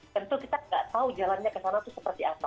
tentu kita nggak tahu jalannya ke sana itu seperti apa